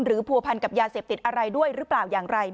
ผัวพันกับยาเสพติดอะไรด้วยหรือเปล่าอย่างไร